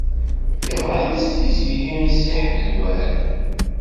Teɣṛa-yas Tiziri i Si Ḥmed Waɛli.